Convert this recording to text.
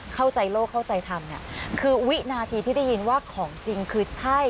เข้าใจโลกเข้าใจทำเนี่ยคือวินาทีที่ได้ยินว่าของจริงคือใช่